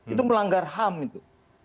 itu melanggar ham itu